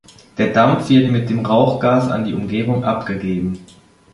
Der Dampf wird mit dem Rauchgas an die Umgebung abgegeben.